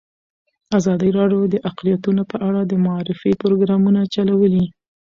ازادي راډیو د اقلیتونه په اړه د معارفې پروګرامونه چلولي.